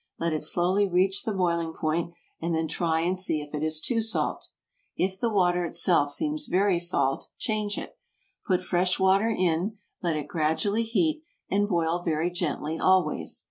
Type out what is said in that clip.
Let it slowly reach the boiling point, and then try and see if it is too salt. If the water itself seems very salt, change it. Put fresh water in, let it gradually heat, and boil very gently always.